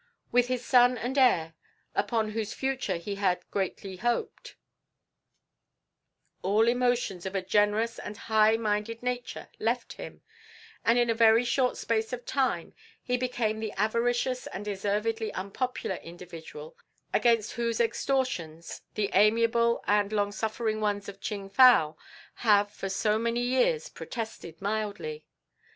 With his son and heir, upon whose future he had greatly hoped, all emotions of a generous and high minded nature left him, and in a very short space of time he became the avaricious and deservedly unpopular individual against whose extortions the amiable and long suffering ones of Ching fow have for so many years protested mildly.